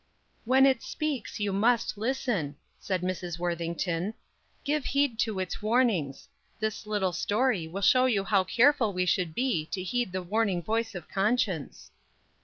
"When it speaks, you must listen," said Mrs. Worthington. "Give heed to its warnings. This little story will show you how careful we should be to heed the warning voice of conscience.